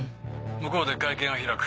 向こうで会見を開く。